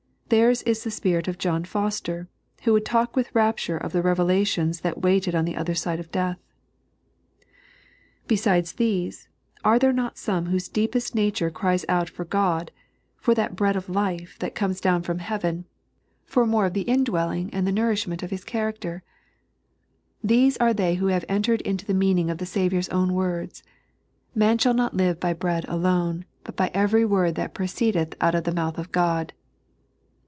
Theirs la the spirit of John Foster, who would talk witii rapture of the revelations that waited on the other side of death. Besides these, are there not some whose deepest nature cries out for God— for that Bread of Life that comes down 3.n.iized by Google Accepting, not Snatching. 125 from heaven ; for more of the indwellmg and the nourish ment of His character ? These are they who have entered into the meaning of the Saviour's own words :" Man shall not live hy bread alone, but by every word that proceedeth out of the mouth of God."